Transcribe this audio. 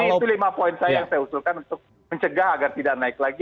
itu lima poin saya yang saya usulkan untuk mencegah agar tidak naik lagi